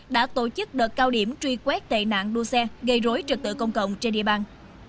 đã tổ chức đợt cao điểm truy quét tệ nạn đua xe gây rối trật tự công cộng trên địa bàn